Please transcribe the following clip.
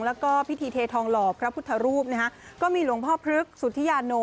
แล้วก็พิธีเททองหล่อพระพุทธรูปนะฮะก็มีหลวงพ่อพฤกษุธิยาโน